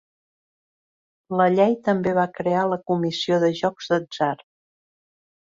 La llei també va crear la comissió de jocs d'atzar.